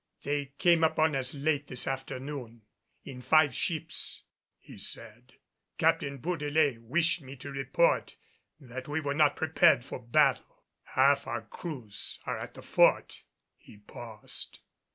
"They came upon us late this afternoon, in five ships," he said. "Captain Bourdelais wished me to report that we were not prepared for battle. Half of our crews are at the Fort." He paused.